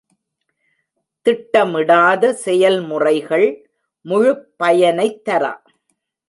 திட்டமிடாத செயல்முறைகள் முழுப் பயனைத் தரா.